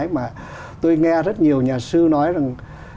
mình nói rằng